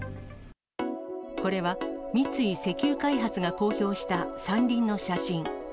これは三井石油開発が公表した山林の写真。